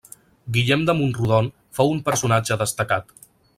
Guillem de Mont-rodon, fou un personatge destacat.